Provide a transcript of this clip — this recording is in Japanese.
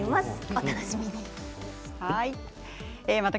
お楽しみに。